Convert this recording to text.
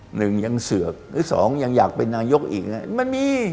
หนึ่งยังเสือกหรือสองยังอยากเป็นนายกอีกมันมี